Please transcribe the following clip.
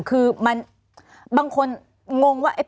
คือบางคนงงว่า